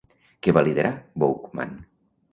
Què va liderar Boukman?